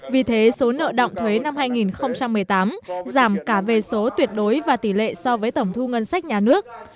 vì thế số nợ động thuế năm hai nghìn một mươi tám giảm cả về số tuyệt đối và tỷ lệ so với tổng thu ngân sách nhà nước